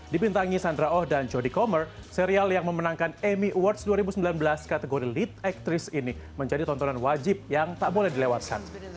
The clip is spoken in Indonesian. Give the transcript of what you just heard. dipintangi sandra oh dan jody commer serial yang memenangkan amy awards dua ribu sembilan belas kategori lead actris ini menjadi tontonan wajib yang tak boleh dilewatkan